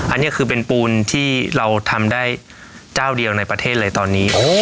อันนี้คือเป็นปูนที่เราทำได้เจ้าเดียวในประเทศเลยตอนนี้